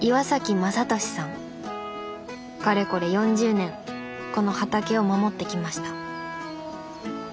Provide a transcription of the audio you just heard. かれこれ４０年この畑を守ってきました。